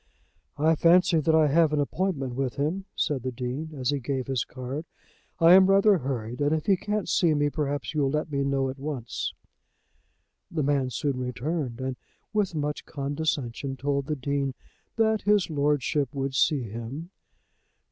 "I fancy that I have an appointment with him," said the Dean, as he gave his card. "I am rather hurried, and if he can't see me perhaps you'll let me know at once." The man soon returned, and with much condescension told the Dean that his lordship would see him.